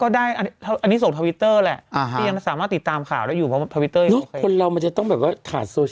โดนด่าเนอะไม่ค้าขายของไม่ได้อ่ะใช่นะฮะสิบชั่วโมงอ่ะอือฮือ